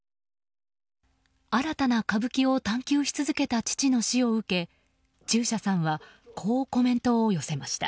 新たな歌舞伎を探求し続けた父の死を受け中車さんはこうコメントを寄せました。